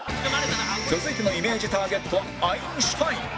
続いてのイメージターゲットはアインシュタイン